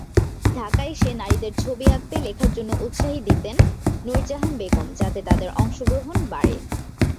ঢাকায় এসে নারীদের ছবি আঁকতে, লেখার জন্য উৎসাহী দিতেন নূরজাহান বেগম, যাতে তাদের অংশগ্রহণ বাড়ে।